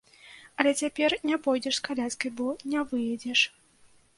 Але цяпер не пойдзеш з каляскай, бо не выедзеш.